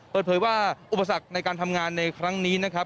เปิดเผยว่าอุปสรรคในการทำงานในครั้งนี้นะครับ